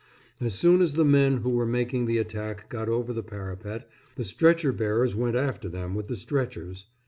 As soon as the men who were making the attack got over the parapet, the stretcher bearers went after them with the stretchers.